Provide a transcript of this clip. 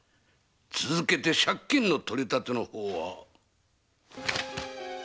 続けて借金の取り立ての方は。